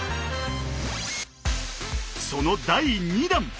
その第２段！